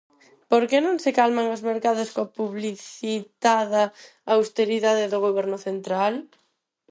Por que non se calman os mercados coa publicitada austeridade do goberno central?